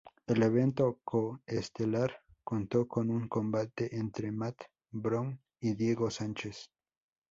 El evento co-estelar contó con un combate entre Matt Brown y Diego Sanchez.